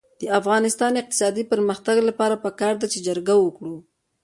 د افغانستان د اقتصادي پرمختګ لپاره پکار ده چې جرګه وکړو.